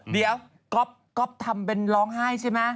เดี๋ยวก๊อฟทำเป็นร้องไห้ใช่ไหม